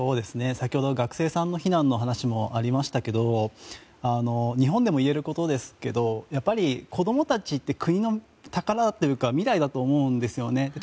先ほど学生さんの避難の話もありましたけど日本でもいえることですけどやっぱり、子供たちって国の宝だというか未来だと思うんですよね。